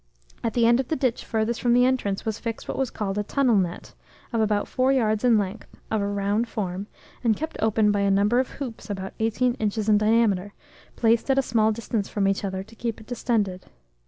At the end of the ditch furthest from the entrance, was fixed what was called a tunnel net, of about four yards in length, of a round form, and kept open by a number of hoops about eighteen inches in diameter, placed at a small distance from each other to keep it distended.